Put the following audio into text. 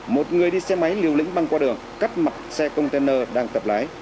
một người đi xe máy liều lĩnh băng qua đường cắt mặt xe container đang tập lái